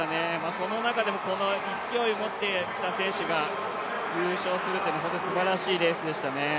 その中でもこの勢いを持ってきた選手が優勝するというのは本当にすばらしいレースでしたね。